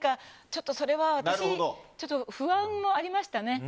それは私不安もありましたね。